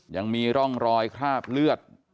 ยังมีร่องรอยคราบเลือด